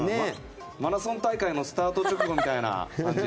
マラソン大会のスタート直後みたいな感じで。